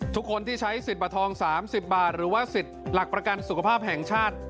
ทุกคนที่ใช้สิทธิ์บัตรทอง๓๐บาทหรือว่าสิทธิ์หลักประกันสุขภาพแห่งชาติ